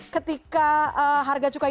ketika harga cukai